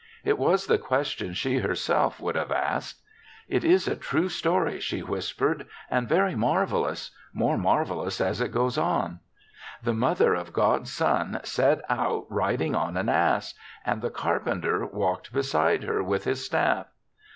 It was the question she herself would have asked. " It is a true story," she whis pered, " and very marvelous — more marvelous as it goes on. The mother of God's son set out riding on an ass and the carpenter walked beside her with his staff.